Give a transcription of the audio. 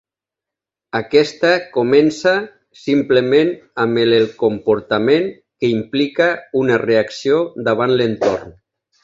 Aquesta comença simplement amb el comportament, que implica una reacció davant l'entorn.